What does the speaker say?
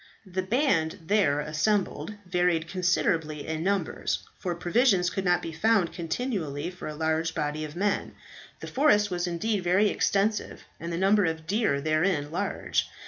The band there assembled varied considerably in numbers, for provisions could not be found continually for a large body of men. The forest was indeed very extensive, and the number of deer therein large.